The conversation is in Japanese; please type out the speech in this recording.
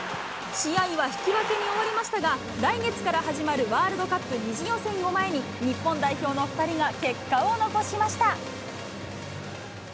試合は引き分けに終わりましたが、来月から始まるワールドカップ２次予選を前に、日本代表の２人が結果を残しました。